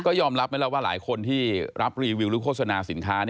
ก็ยอมรับไหมล่ะว่าหลายคนที่รับรีวิวหรือโฆษณาสินค้า